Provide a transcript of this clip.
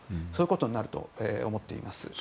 そういうことになると思います。